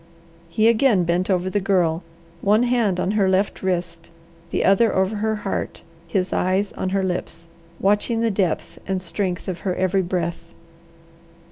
He again bent over the Girl, one hand on her left wrist, the other over her heart, his eyes on her lips, watching the depth and strength of her every breath.